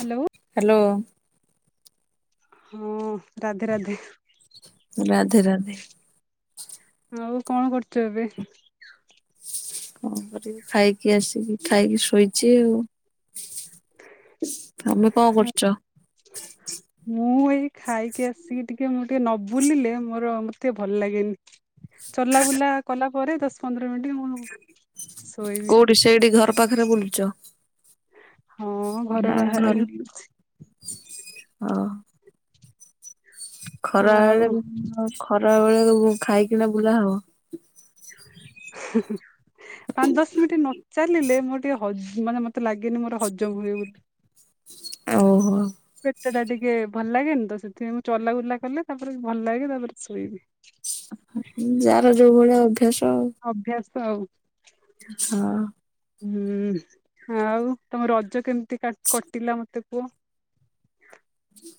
Hello. Hello. ହଁ ରାଧେ ରାଧେ। ରାଧେ ରାଧେ। ଆଉ କଣ କରୁଛ ଏବେ? କଁ କରିବି, ଖାଇକି ଆସିଲି, ଖାଇକି ଶୋଇଛି ଆଉ। ତମେ କଣ କରୁଛ? ମୁଁ ଏଇ ଖାଇକି ଆସିକି ଟିକେ ମୁଁ ଟିକେ ନ ବୁଲିଲେ ମୋର ମତେ ଭଲ ଲାଗେନି। ଚଲାବୁଲା କଲା ପରେ ଦଶପନ୍ଦର ମିନିଟ୍ ମୁଁ ଶୋଇବି। କୋଉଠି ସେଇଠି ଘର ପାଖରେ ବୁଲୁଚ? ହଁ ଘର ନା ବାହାରେ ଘର ବୁଲୁଛି ହଁ। ଖରାବେଳେ ଆଉ ଖରାବେଳେ ଖାଇକିନା ବୁଲା ହବ। ହିଁ ହିଁ। ପାଞ୍ଚଦଶ ମିନିଟ ନଚାଲିଲେ ମୋର ଟିକେ ହଜ ମାନେ ମତେ ଲାଗେନି ମୋର ହଜମ ହୁଏ ବୋଲି। ଓହୋ। ପେଟ ଟା ଟିକେ ଭଲ ଲାଗେନି ତ ସେଥିପାଇଁ ମୁଁ ଚଲାଗୁଲା କଲେ ତାପରେ ଭଲ ଲାଗେ ତାପରେ ଶୋଇବି। ଯାର ଯୋଉ ଭଳିଆ ଅଭ୍ୟାସ। ଆଉ। ଅଭ୍ୟାସ ଆଉ। [unintelligible] ହୁଁ, ଆଉ ତମ ରଜ କେମିତି କାଟ କଟିଲା ମତେ କୁଅ।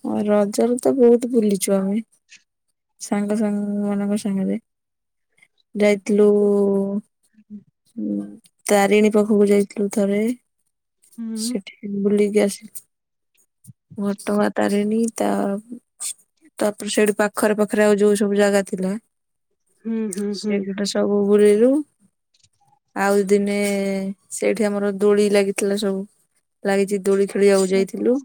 ହଁ ରଜରେ ତ ବହୁତ ବୁଲିଛୁ ଆମେ। ସାଙ୍ଗ ସାଙ୍ଗ, ମାନଙ୍କ ସାଙ୍ଗରେ ଯାଇଥିଲୁ-ଉ ଉଁ ତାରିଣୀ ପାଖକୁ ଯାଇଥିଲୁ ଥରେ। ହୁଁ ସେଠି ବୁଲିକି ଆସି ଟଁ ଆ ତାରିଣୀ ତା ତା'ପରେ ସେଇଠୁ ପାଖରେ ପାଖରେ ଆଉ ଯୋଉ ସବୁ ଜାଗା ଥିଲା, ହୁଁ ହୁଁ ହୁଁ। ସେଗୁଡ଼ା ସ ସବୁ ବୁରିରୁ। ଆଉ ଦିନେ-ଏ ସେଇଠି ଆମର ଦୋଳି ଲାଗିଥିଲା ସବୁ। ଲାଗିଛି ଦୋଳି ଖେଳିିଆକୁ ଯାଇଥିଲୁ।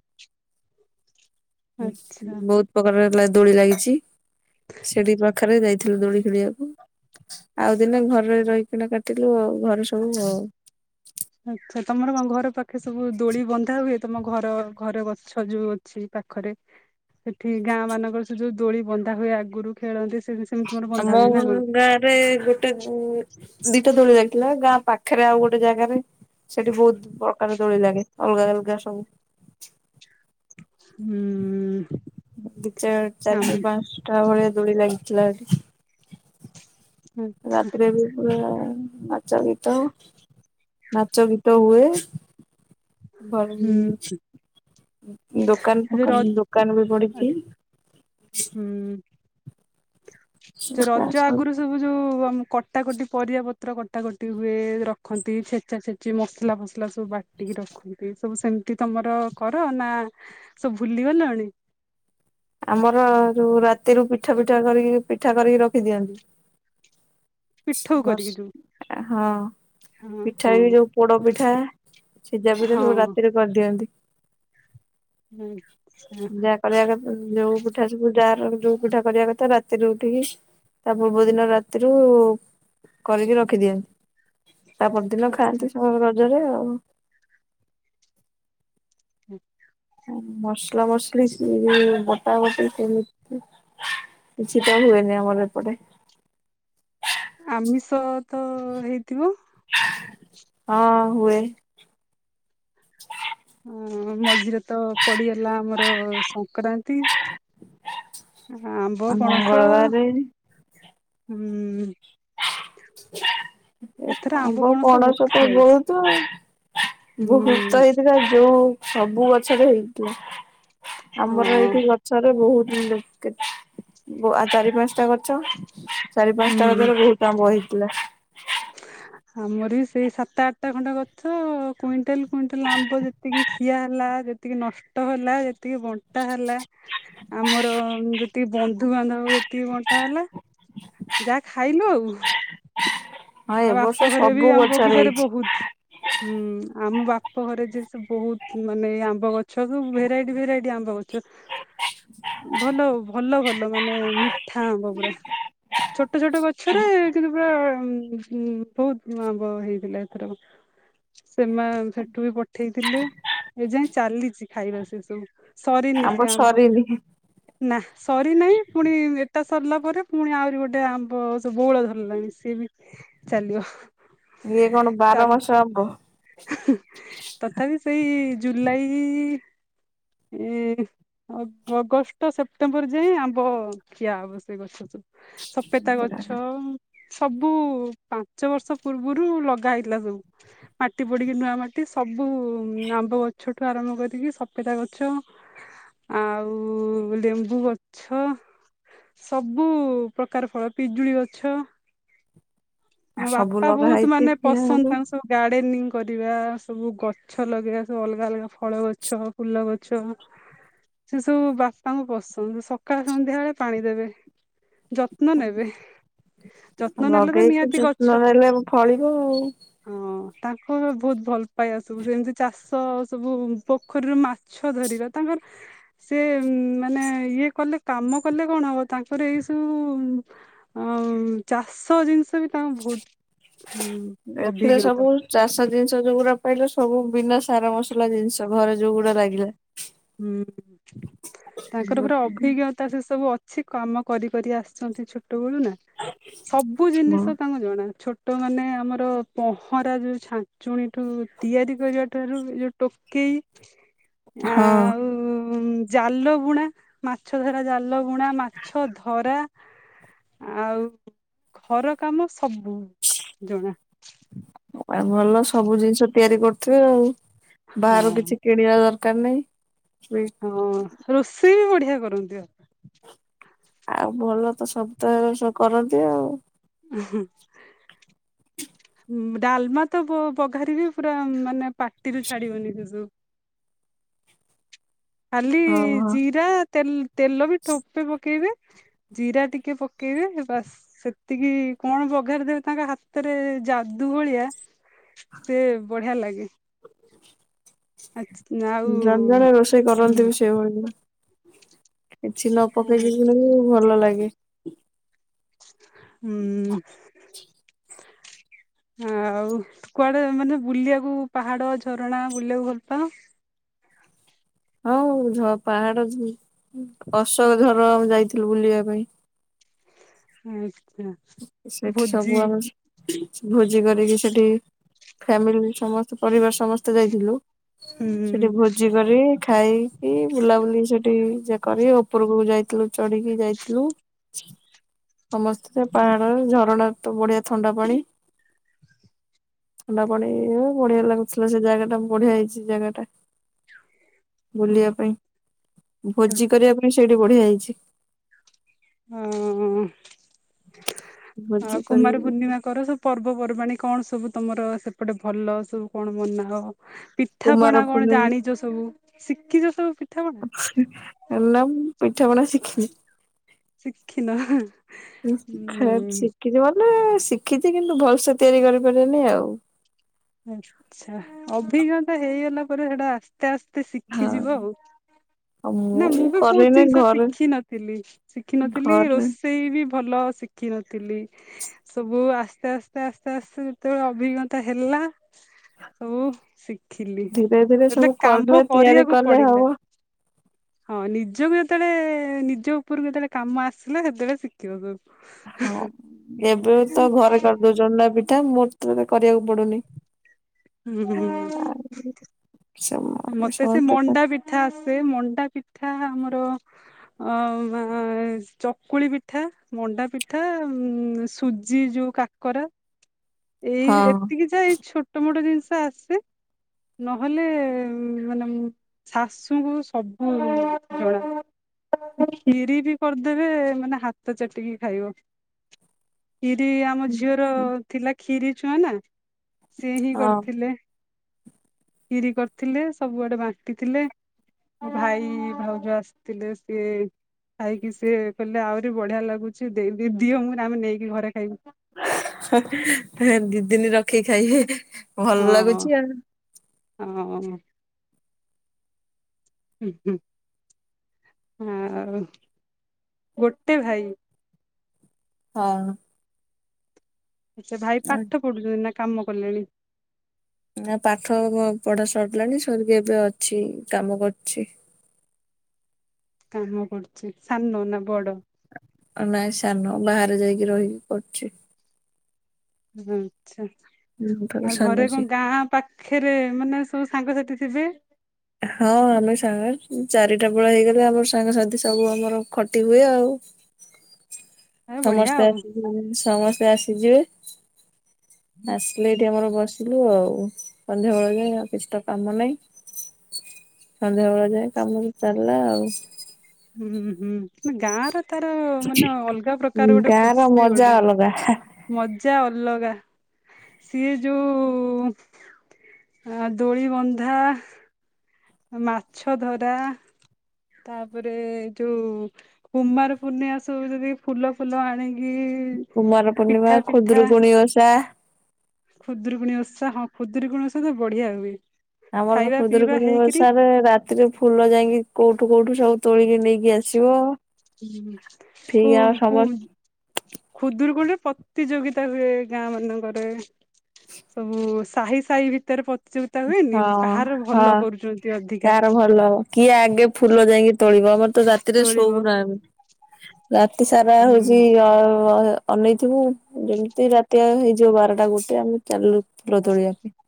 ଆଚ୍ଛା ବହୁତ ପ୍ରକାର ହେଲା ଦୋଳି ଲାଗିଛି। ସେଠି ପାଖରେ ଯାଇଥିଲୁ, ଦୋଳି ଖୋଳିିବାକୁ। ଆଉ ଦିନେ, ଘରେ ରହିକିଣା କାଟିଲୁ ଆଉ ଘରେ ସବୁ ଆଉ। ଆଛା, ତମର କଣ ଘର ପାଖେ ସବୁ ଦୋଳି ବନ୍ଧା ହୁଏ। ତମ ଘର ଘର ଗଛ ଯୋଉ ଅ ଛି, ପାଖରେ ସେଠି ଗାଁ ମାନଙ୍କର ସେ ଯୋଉ ଦୋଳି ବନ୍ଧା ହୁଏ ଆଗରୁ ଖେଳନ୍ତି ସେମ୍ ସେ ସେମିତି ତମର ବନ୍ଧା ହୁଏ ନା ଆମ-ଅଁ କଣ? ଗାଁରେ ଗୋ ଟେଁ, ଦିଟା ଦୋଳି ଲାଗିଥିଲା। ଗାଁ ପାଖରେ ଆଉ ଗୋଟେ ଜାଗାରେ ସେଠି ବହୁତ ପ୍ରକାର ଦୋଳି ଲାଗେ। ଅଲଗା ଅଲଗା ସବୁ। ହୁଁ। ଦି ଚାର୍, ଚାର୍ ଆମ ଟା ପାଞ୍ଚଟା ଭଳିଆ ଦୋଳି ଲାଗିଥିଲା ଏଠି। ରାତିରେ ବି ପୁରା ନାଚ ଗୀତ, ନାଚ ଗୀତ ହୁଏ। [unintelligible] ହୁଁ ଦୋକାନ ଫୋକାନ ରଜ ଦୋକାନ ବି ବଢି କି। ହୁଁ। ସେ ରଜ ଆଗରୁ ସବୁ ଯଉ ଆମ କଟାକଟି ପରିବା ପତ୍ର କଟାକଟି ହୁଏ, ରଖନ୍ତି ଛେଚା ଛେଚି ମସଲା ଫସ୍ ସଲା ସବୁ ବାଟିକି ରଖନ୍ତି, ସବୁ ସେମିତି ତମର କର ନା ସବୁ ଭୁଲିଗଲଣି? ଆମର ଯୋଉ ରାତିରୁ ପିଠା ପିଠା କରିକି ପିଠା କରିକି ରଖିଦିଅନ୍ତି। ପିଠଉ କରିକି ଯୋଉ ହସ଼୍ ହଁ ହଁ ପିଠା ହଁ ବି ଯୋଉ ପୋଡ ପିଠା ସିଜା ପିଠା ସବୁ ହଁ। ରାତିରେ କରିଦିଅନ୍ତି। ହୁଁ ହ। ଯାହା କରିବା କଥା ଯୋଉ ପିଠା ସବୁ ଯାଆର ଯଉଁ ପିଠା କରିବା କଥା ରାତିରେ ଉଠିକି ତା ପୂର୍ବ ଦିନ ରାତିରୁ, କରିକି ରଖିଦିଅନ୍। ତା' ପରଦିନ ଆଚ୍ଛା ଖାଆନ୍ତି, ସବ ରଜରେ ଆଉ। [inaudible] ମସଲା ମସଲି ସି-ଇ, ବଟା ବଟି କେମିତି? କିଛିତ ହୁଏନି ଆମର ଏପଟେ। ଆମିଷ ତ-ଅ ହେଇଥିବ? ହଁ, ହୁଏ। ହ ହଁ ମଝିରେ ତ ପଡିଗଲା, ଆମର ସଂକ୍ରାନ୍ତି। ଆମ୍ବ, ପଣସ-ଅ ମଙ୍ଗଳବାରେ ହୁଁ। ଏଥର ଆମ୍ବ ବହୁତ ପଣସ ତ ଖିଆ ହେଇଛି। ବହୁତୁ ଆଉ। ବହୁତ ହୁଁ ହେଇଥିଲା ଯୋଉ ସବୁ ଗଛରେ ହେଇଥିଲା। ଆମର ହଁ ଏଇଠି ଗ ଗଛରେ ବହୁତ [unintelligible] ଚାରି ପାଞ୍ଚଟା ଗଛ, ଚାରି ପାଞ୍ଚଟା ହୁଁ। ବହୁତ ଆମ୍ବ ହେଇଥିଲା। ଁ ଆମର ବି ସେଇ ସାତ ଆଠଟା ଖଣ୍ଡେ ଗଛ-ଅ କୁଇଣ୍ଟାଲ୍ କୁଇଣ୍ଟାଲ୍ ଆମ୍ବ ଯେତିକି ଖିଆ ହେଲା, ଯେ ତିକି ନଷ୍ଟ ହେଲା। ଯେତିକି ବନ୍ ବଣ୍ଟା ହେଲା। ଆମର ଯେତିକି ବନ୍ଧୁବାନ୍ଧବ ଏତିକି ବଣ୍ଟା ହେଲା। ଯାହା ଖାଇଲୁ ଆଉ। ହଁ ଏ ଆଉ ବର୍ଷ ବାପ ଘରେ ବି ସବୁ ଆମ ଗଛରେ ବଗିଚାରେ ହେଇଛି ବୋହୁତ। ହୁଁ ଆମ ବାପ ଘରେ ଯେ ସେ ବହୁତ ମାନେ ଆମ୍ବ ଗଛ। ସବୁ ଭେରାଇଟି ଭେରାଇଟି ଆମ୍ବ ଗଛ। ଭାଲୁ ଭଲ ଭଲ ମାନେ ମିଠାବ ପୁରା। ଛୋଟ ଛୋଟ ଗଛରେ କିନ୍ତୁ ପୁରା। ହୁଁ ବହୁତ ଆମ୍ବ ହେଇଥିଲା ଏଥକ। ସେମାନେ ସେଠୁ ବି ପଠେଇଥିଲେ। ଏ ଯାଏ ଚାଲିଛି ଖାଇବା ସେ ସବୁ। ସରିନି ସେ ଆମ୍ବ ନା। ସରିନାହିଁ ପୁଣି ଏଟା ସରିଲା ପରେ ପୁଣି ଆହୁରି ଗୋଟେ ଆମ୍ବ ବଉଳ ଧରିଲାଣି ସିଏ ବି।। ଚାଲିବ। ଇଏ କ'ଣ ବାର ଚାଲ ମାସ ଆମ୍ବ। ତଥାପି ସେଇ ଜୁଲାଇ ଆଇ।। ଅଗଷ୍ଟ ସେପ୍ଟେମ୍ବର ଯାଏଁ ଆମ୍ବ ଖିଆ ହବ ସେ ଗଛ ରୁ ସବୁ। ସପେତା ଗଛ।। ସବୁ ପାଞ୍ଚ ବର୍ଷ ପୂର୍ବରୁ ଲଗା ହେଇଥିଲା ସବୁ। ମାଟି ପୋଡିକି ନୂଆ ମାଟି ସବୁ ଆମ୍ବ ଗଛଠୁ ଆରମ୍ଭ କରିକି। ସପେତା ଗଛ।। ଆଉ ଲେମ୍ବୁ ଗଛ।। ସବୁ ପ୍ରକାର ଫଳ ପିଜୁଳି ଗଛ। ମୋ ସବୁ ବାପା ଲଗା ବହୁତ ହେଇଛି ମାନେ ଖିଆ ହବ ପସନ୍ଦ ତାଙ୍କୁ ସବୁ ଗଡେନିଂ କରିବା ସବୁ ଗଛ।। ଗଛ ଲଗେଇବା ସବୁ ଅଲଗା ଅଲଗା ଫଳ ଗଛ ଫୁଲ ଗଛ। ସେ ସବୁ ବାପାଙ୍କୁ ପସନ୍ଦ ସକାଳେ ସନ୍ଧ୍ୟା ବେଳେ ପାଣି ଦେବେ। ଯତ୍ନ ନେବେ। ଆଉ ଯତ୍ନ ନେଲେ ତ ଲଗେଇଛି ନିହାତି ଗଛ ଯତ୍ନ ନେଲେ ଫଳିବ ଆଉ। ତାଙ୍କ ବହୁତ ଭଲପାଇବା ସବୁ ସେମତି ଚାଷ ସବୁ ପୋଖରୀରେ ମାଛ।। ମାଛ ଧରିବା ତାଙ୍କର।। ସେ ମାନେ ଇଏ କଲେ କାମ କଲେ କ'ଣ ହବ? ତାଙ୍କର ଏଇ ସବୁ।। ଆ ଚାଷ ଜିନିଷ ବି ତାଙ୍କୁ ବହୁତ ଏଥିରେ ସବୁ ଅଭିଜ୍ଞତା। ଚାଷ ଜିନିଷ ଯୋଉଗୁଡା ପାଇଲେ ସବୁ ବିନା ସାର ମସଲା ଜିନିଷ ଘରେ ଯୋଉଗୁଡା ଲାଗିଲା।। ହୁଁ ତାଙ୍କର ଗୋଟେ ଅଭିଜ୍ଞତା।। ତା ସେ ସବୁ ଅଛି କାମ କରି କରି ଆସିଛନ୍ତି। ଛୋଟ ବେଳୁ ନା ସବୁ ଜିନିଷ ତାଙ୍କ।। ଜଣା ଛୋଟମାନେ ଆମର ପହଁରା ଯୋଉ ଛାଞ୍ଚୁଣୀ ତିଆରି କରିବା ଠାରୁ ଯୋଉ।। ଟୋକେଇ।। ହଁ ଆଉ ଜାଲ ବୁଣା ମାଛ ଧରା ଜାଲ ବୁଣା। ମାଛ ଧରା।। ଆଉ ଘର କାମ ସବୁ ଜଣା। ଭଲ ସବୁ ଜିନିଷ ତିଆରି କରୁଥିବେ। ଆଉ ହଁ ବାହାରୁ କିଛି।। କିଣିବା ଦରକାର ନାହିଁ।। ହଁ ରୋଷେଇ ବି ବଢିଆ କରନ୍ତି।। ଆଉ ଭଲ ତ ସବୁ ତ କରନ୍ତି ଆଉ। [inaudible] ଡାଲମା ତ ଯୋଉ ବାଘାରିବ ପୁରା ମାନେ ପାଟିରୁ ଛାଡିବନି ସେସବୁ। ଖାଲି ହଁ ହଁ। ଜିରା ତେଲ ତେଲ ବି ଠୋପେ ପକେଇବେ। ଜିରା ଟିକେ ପକେଇବେ ବାସ। ସେତିକି କ'ଣ? ବଘାରିଦେବେ ତାଙ୍କ ହାତରେ ଯାଦୁ ଭଳିଆ। ସେ ବଢିଆ ଲାଗେ। ଆଉ ଜଣେ ଜଣେ ରୋଷେଇ ହୁଁ କରନ୍ତି ବି। ସେ ଭଳିଆ କିଛି ନ ହୁଁ ପକେଇକି ବି ଭଲ ଲାଗେ। ହୁଁ [unintelligible] ଆଉ କୁଆଡେ ମାନେ ବୁଲିବାକୁ ପାହାଡ ଝରଣା ବୁଲିବାକୁ ଭଲ ପାଅ। ହଁ ଝ ପାହାଡ ଅଶୋକଝର ଆମ ଯାଇଥିଲୁ ବୁଲିବା ପାଇଁ। ଆଚ୍ଛା ସେଠି ସବୁ ଭୋଜି ଆମେ ଭୋଜି କରିକି ସେଠି ଫ୍ୟାମିଲି ସମସ୍ତେ ପରିବାର ସମସ୍ତେ ଯାଇଥିଲୁ ସେଠି ହୁଁ ଭୋ ଭୋଜି କରି ଖାଇକି ବୁଲାବୁଲି ସେଠି ଏ କରି ଉପରକୁ ଯାଇଥିଲୁ ଚଢ଼ିକି ଯାଇଥିଲୁ। ସମସ୍ତେ ପାହାଡ ଝରଣା ତ ବଢିଆ ଥଣ୍ଡା ପାଣି। ଥଣ୍ଡା ପାଣି ବଢିଆ ଲାଗୁଥିଲା ସେ ଜାଗା ଟା ବଢିଆ ହେଇଛି ସେ ଜାଗାଟା। ବୁଲିବା ପାଇଁ ଭୋଜି କରିବା ପାଇଁ ସେଇଠି ବଢିଆ ହେଇଛି। ହଁ ଆଉ ଭୋଜି କରିବୁ କୁମାର ଗୋଟେ ପୂର୍ଣ୍ଣିମା କର ସବୁ। ପର୍ବପର୍ବାଣୀ କଣ ସବୁ ତମର ସେପଟେ ଭଲ ସବୁ କଣ ମନାଅ? ପିଠା କୁମାର ପଣା କଣ ପୂର୍ଣ୍ଣିମା ଜାଣିଛ ସବୁ ଶିଖିଛ ସବୁ ପିଠାପଣା। [unintelligible] ହେଲା ମୁଁ ପିଠାପଣା ଶିଖିଚି। ଶିଖିନ ହ ହୁଁ। ଶିଖିଥିବ ନା ଶିଖିଛି କିନ୍ତୁ ଭଲସେ ତିଆରି କରିପାରିବେନି ଆଉ। ଆଛା ଅଭିଜ୍ଞତା ହେଇଗଲା ପରେ ସେଟା ଆସ୍ତେ ଆସ୍ତେ ହଁ ଶିଖିଯିବ ଆଉ। ଆଉ ନା ମୁଁ ବି ବହୁତ କରିନି ଜିନିଷ ଘରେ ଶିଖିନଥିଲି ଶିଖିନଥିଲି ରୋଷେଇ ଘରେ ରୋଷେଇ ବି ଭଲ ଶିଖିନଥିଲି। ସବୁ ଆସ୍ତେ ଆସ୍ତେ ଆସ୍ତେ ଆସ୍ତେ ଯେତେବେଳେ ଅଭିଜ୍ଞତା ହେଲା ସବୁ ଶିଖିଲି ଧୀରେ ଧୀରେ ସବୁ ହେଲେ କଲେ କାମ ତିଆରି କରିବାକୁ କଲେ ହବ ପଡିଲା। ହଁ ନିଜକୁ ଯେତେବେଳେ ନିଜ ଉପରକୁ ଯେତେବେଳେ କାମ ଆସିଲ ସେତେବେଳେ ଶିଖିଲି। ଶିଖିବାକୁ ହେଁ। ଯୋଉ ଜହ୍ଲା ପିଠା ମତେତ କରିବାକୁ ପଡୁନି। ହୁଁ। [inaudible] ସମ ମତେ ସେ ସମସ୍ତେ କର ମଣ୍ଡା ପିଠା ଆସେ ମଣ୍ଡା ପିଠା ଆମର ଆଁ ଚକୁଳି ପିଠା ମଣ୍ଡା ପିଠା ସୁଜି ଯୋଉ କାକରା ଏଇ ହଁ। ଏତିକି ଯାହା ଏଇ ଛୋଟ ମୋଟ ଜିନିଷ ଆସେ। ନହେଲେ ମାନେ ଶାଶୁଙ୍କୁ ସବୁ ଜଣା। ଖିରି ବି କରିଦେବେ ମାନେ ହାତ ଚାଟିକି ଖାଇବ। ଖିରି ଆମ ଝିଅର ଥିଲା ଖିରୀ ଛୁଆଁ ନା। ସେ ହିଁ ହଁ କରିଥିଲେ ଖିରି କରିଥିଲେ ସବୁଆଡେ ବାଣ୍ଟିଥିଲେ। ଭାଇ ଭାଉଜ ଆସିଥିଲେ ସିଏ ଖାଇକି ସିଏ କହିଲେ ଆହୁରି ବଢିଆ ଲାଗୁଛିି ଦେଇ ଦିଅ ମୁଁ ଆମେ ନେଇକି ଘରେ ଖାଇବୁ। ହେ ହେ ଦି ଦିନି ରଖିକି ଖାଇବେ ହେ ହେ। ହଁ ହଁ। ହୁଁ ହୁଁ ଆଉ ଗୋଟେ ଭାଇ। ହଁ। ସେ ଭାଇ ହଁ। ପାଠ ପଢୁଛନ୍ତି ନା କାମ କଲେଣି? ନା ପାଠ ପଢା ସରିଲାଣି ସରିକି ଏବେ ଅଛି କାମ କରୁଛି। କାମ କରୁଛି ସାନ ନା ବଡ? ନାଇଁ ସାନ ବାହାରେ ଯାଇକି ରହିକି ପଢୁଛି। ଆଛା ହୁଁ ତାର ଆଉ ସାନ ଘରେ ସିଏ। କଣ ଗାଁ ପାଖ ପାଖରେ ମାନେ ସବୁ ସାଙ୍ଗସାଥି ଥିବେ। ହଁ ଆମେ ସାଙ୍ଗ ଚାରିଟା ବେଳ ହେଇଗଲେ ଆମର ସାଙ୍ଗସାଥି ସବୁ ଆମର ଖଟି ହୁଏ ଆଉ। ଏ ବଢିଆ ସମସ୍ତେ ଆଉ। ଆସି ସମସ୍ତେ ଆସିଯିବେ। ଆସିଲେ ଏଇଠି ଆମର ବସିଲୁ ଆଉ ସନ୍ଧ୍ୟାବେଳ ଯାଏ କିଛି ତ କାମ ନାହିଁ। ସନ୍ଧ୍ୟାବେଳେ ଯାଏ କାମକୁ ଚାଲିଲା ଆଉ। ହୁଁ ହୁଁ ନା ଗାଁରେ ତାର ମାନେ ଅଲଗା ପ୍ରକାର ଗୋଟେ ଗାଁ ର ଖୁସି ମଜା ଗୋଟେ। ଅଲଗା ମଜା ଅଲଗା ସିଏ ଯୋଉ। ଆ ଦୋଳି ବନ୍ଧା। ମାଛ ଧରା ତାପରେ ଯୋଉ। କୁମାର ପୂର୍ଣ୍ଣିମା ସବୁ ଯେତିକୀ ଫୁଲ ଫୁଲ ଆଣିକି। କୁମାର ପିଠା ପୂର୍ଣ୍ଣିମା, ପିଠା ଖୁଦୁରୁକୁୁଣି ଓଷା। ଖୁଦୁରୁକୁଣୀ ଓଷା ହଁ ଖୁଦୁରୁକୁଣୀ ଓଷା ତ ବଢିଆ ହୁଏ। ଆମର ତ ଖାଇବା ପିଇବା ଖୁଦୁରୁକୁଣୀ ହେଇକିରି ଓଷା ରେ ରା ତି ରେ ଫୁଲ ଯାଇକି କୋଉଠୁ କୋଉଠୁ ସବୁ ତୋଳିକି ନେଇକି ଆସିବ। ହୁଁ ଠିକ କୁଁ ଆମ କୁଁ। ସମସ୍ତ ଖୁଦୁରୁକୁଣୀରେ ପ୍ରତିଯୋଗିତା ହୁଏ ଗାଁ ମାନଙ୍କରେ। ସବୁ ସାହି ସାହି ଭିତରେ ପ୍ରତିଯୋଗିତା ହୁଏନି ହଁ କାହାର ହଁ ଭଲ କରୁଛନ୍ତି। ଅଧିକା କାହାର ଭଲ କିଏ ଆଗେ ଫୁଲ ଯାଇକି ତୋଳିବ ଆମର ତ ରାତିରେ ତୋଳିବ ଶୋଉନା ଆମେ। ରାତି ସାରା ହଉଛି ହୁଁ ଅ ଅ ଅନେଇଥିବୁ ଯେମିତି ରାତିଆ ହେଇଯିବ ବାରଟା ଗୋଟେ ଆମେ ଚାଲିଲୁ ଫୁଲ ତୋଳିବା‌ ପାଇଁ।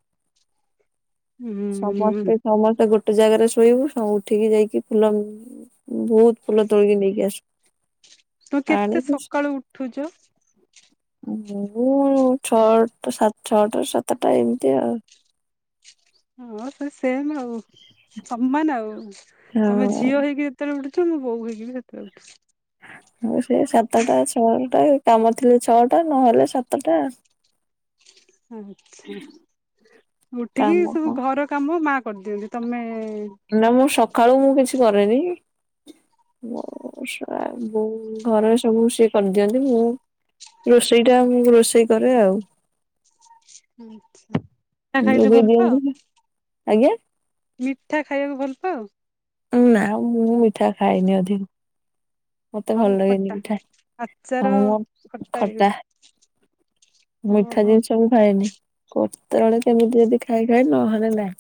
ଉଁ। ସମସ୍ତେ ସମସ୍ତେ ଗୋଟେ ଜାଗାରେ ଶୋଇବୁ ସବୁ ଉଠିକି ଯାଇକି ଫୁଲ ବହୁତ ଫୁଲ ତୋଳିକି ନେଇକି ଆସୁ। ତ କେତେ ଆଣିକି ସକାଳୁ ଉଠୁଛ? ମୁଁ ଛଅଟ ସାଡ ଛଅଟା ସାତଟା ଏମିତି ଆଉ। ହଁ ସେ ସେମ୍ ଆଉ ସମାନ ଆଉ ତମେ ଝିଅ ହେଇକି‌। ଯେତେବେଳେ ଉଠୁଛ ମୁଁ ବୋହୁ ହେଇକି ସେତବେଳେ ଉଠୁଚି। ମୁଁ ସେଇ ସାତଟା ଛଅଟା ଏ କାମ ଥିଲେ ଛଅଟା ନହେଲେ ସାତଟା। ଆଛା ଉଠିକି କାମ ସବୁ କଣ ଘର କାମ ମା କରିଦିଅନ୍ତି? ତମେ। ନା ମୁଁ ସକାଳୁ ମୁଁ କିଛି କରେନି। ମୋ ର ସା ବୋଉ ଘରେ ସବୁ ସିଏ କରିଦିଅନ୍ତି ମୁଁ। ରୋଷେଇ ଟା ମୁ ରୋଷେଇ କରେ ଆଉ। ଆଛା ଟା ଖାଇତେ ଯୋଗେଇ ଭଲ ପାଅ। ଦିଅନ୍ତି ଆଜ୍ଞା। ମିଠା ଖାଇବାକୁ ଭଲ ପାଅ। ନା ମୁଁ ମିଠା ଖାଏନି ଅଧିକ। ମତେ ଆଉ ଭଲ ଲାଗେନି ଖଟା ମିଠା ଆଚାର ଆମର ଖଟା। ମିଠା ଓହୋ ଜିନିଷ ମୁଁ ଖାଏନି, କୋତବେଳେ କେମିତି ଯଦି ଖାଇ ଖାଏ ନହେଲେ ନାହିଁ।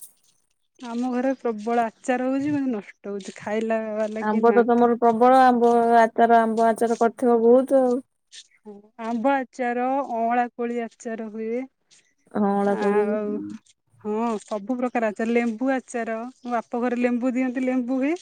ଆମ ଘରେ ପ୍ରବଳ ଆଚାର ହଉଛି ମାନେ ନଷ୍ଟ ହଉଛି ଖାଇଲା। ବାଲା କେହି ଆମ୍ବ ତ ନାହାନ୍ତି ତମର ପ୍ରବଳ ଆମ୍ବ ଆଚାର ଆମ୍ବ ଆଚାର କରିଥିବ ବହୁତ ଆଉ। ହ ଆମ୍ବ ଆଚାର ଅଁଳା କୋଳି ଆଚାର ହୁଏ। ହଁ ଅଁଳା କୋଳି। ଆଉ ହଁ ସବୁ ପ୍ରକାର ଆଚାର ଲେମ୍ବୁ ଆଚାର ମୋ ବାପ ଘରେ ଲେମ୍ବୁ ଦିଅନ୍ତି ଲେମ୍ବୁ ହୁଏ।